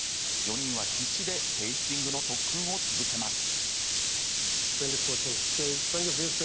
４人は必死でテースティングの特訓を続けます。